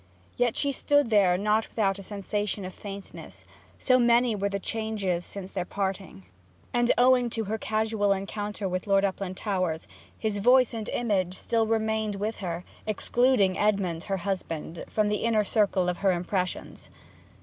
Yet she stood there not without a sensation of faintness, so many were the changes since their parting! And, owing to her casual encounter with Lord Uplandtowers, his voice and image still remained with her, excluding Edmond, her husband, from the inner circle of her impressions.